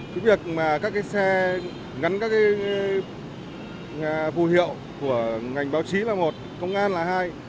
cái việc mà các cái xe gắn các cái vụ hiệu của ngành báo chí là một công an là hai